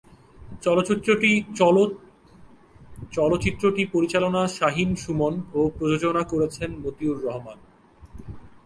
চলচ্চিত্রটি পরিচালনা শাহীন-সুমন ও প্রযোজনা করেছেন মতিউর রহমান।